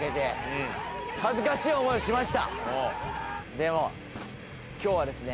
でも今日はですね